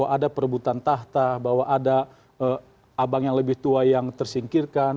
ada perebutan tahta bahwa ada abang yang lebih tua yang tersingkirkan